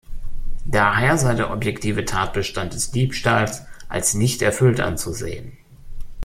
Daher sei der objektive Tatbestand des Diebstahls als nicht erfüllt anzusehen.